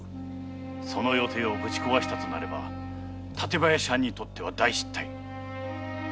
その予定をぶち壊したとなれば館林藩にとっては大失態。